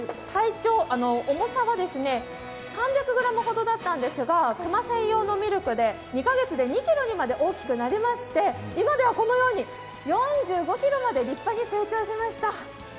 重さは３００ｇほどだったんですが、熊専用のミルクで２カ月で２ｋｇまで大きくなりまして、今ではこのように４５ｋｇまで立派に成長しました。